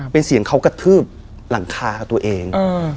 เป็นเสียงเขากระทืบหลังคาตัวเอง